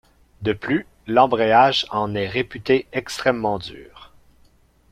De plus, l'embrayage en est réputé extrêmement dur.